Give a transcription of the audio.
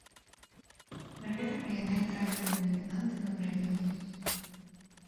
З-за гэтага яна і трапіла ў намінанты на прэмію.